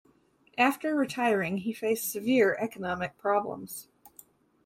After retiring, he faced severe economic problems.